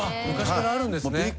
昔からあるんですね。